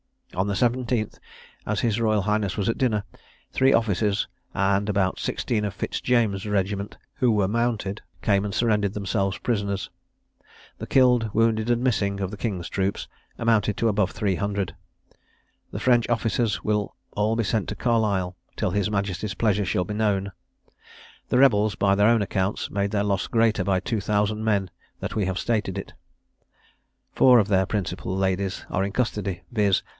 On the 17th, as his Royal Highness was at dinner, three officers, and about sixteen of Fitz James's regiment, who were mounted, came and surrendered themselves prisoners. The killed, wounded, and missing, of the King's troops, amount to above three hundred. The French officers will be all sent to Carlisle, till his Majesty's pleasure shall be known. The rebels, by their own accounts, make their loss greater by two thousand men than we have stated it. Four of their principal ladies are in custody, viz.